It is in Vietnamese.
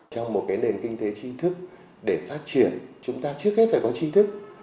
trong một nền kinh tế tri thức để phát triển chúng ta trước hết phải có tri thức